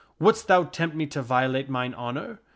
Wouldst thou tempt me to violate mine honor?